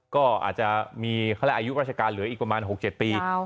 ก็อาจจะมีเขาเรียกอายุราชการเหลืออีกประมาณ๖๗ปี